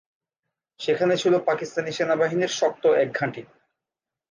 সেখানে ছিল পাকিস্তানি সেনাবাহিনীর শক্ত এক ঘাঁটি।